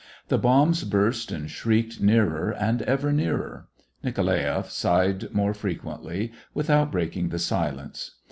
The bombs burst and shrieked nearer and ever nearer. Nikolaeff sighed more fre quently, without breaking the silence.